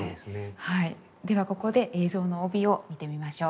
はいではここで「映像の帯」を見てみましょう。